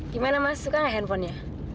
gimana mas suka handphonenya